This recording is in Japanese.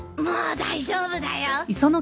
もう大丈夫だよ。